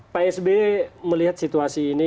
pak sby melihat situasi ini